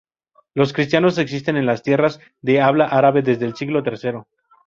Los cristianos existen en las tierras de habla árabe desde el siglo tercero.